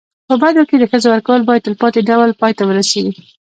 په بدو کي د ښځو ورکول باید تلپاتي ډول پای ته ورسېږي.